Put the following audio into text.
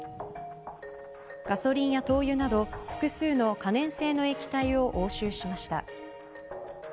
ガソリンや灯油など、複数の可燃性の液体を押収しました。